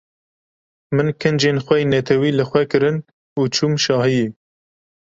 Min kincên xwe yên netewî li xwe kirin û çûm şahiyê.